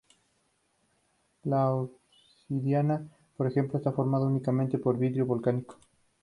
La obsidiana, por ejemplo, está formada únicamente por un vidrio volcánico.